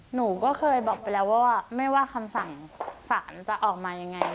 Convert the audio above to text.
หนูก็เคยบอกไปแล้วว่าไม่ว่าคำสั่งสารจะออกมายังไง